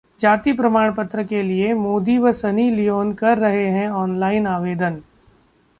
जाति प्रमाणपत्र के लिए मोदी व सनी लियोन कर रहे ऑनलाइन आवेदन